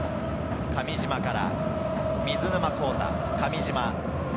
上島から水沼宏太。